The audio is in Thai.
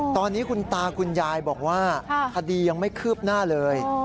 ตอนนี้คุณตาคุณยายบอกว่าคดียังไม่คืบหน้าเลย